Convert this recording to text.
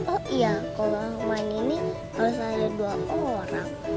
oh iya kalau aku main ini harus ada dua orang